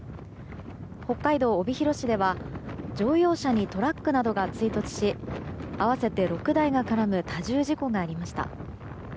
北海道帯広市では乗用車にトラックなどが追突し合わせて６台が絡む多重事故がありました。